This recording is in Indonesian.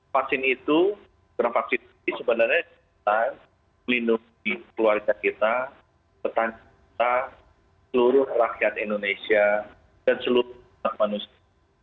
vaksin itu sebenarnya untuk melindungi keluarga kita petani kita seluruh rakyat indonesia dan seluruh manusia